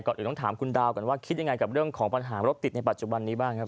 อื่นต้องถามคุณดาวก่อนว่าคิดยังไงกับเรื่องของปัญหารถติดในปัจจุบันนี้บ้างครับ